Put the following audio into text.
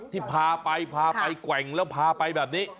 ที่พาไปกว่างแล้วพาไปแบบนี้